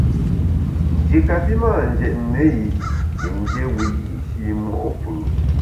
Nji kapi mâ njetne i yin dié wiyi’shi mo’ fù’.